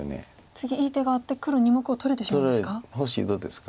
次いい手があって黒２目を取れてしまうんですか？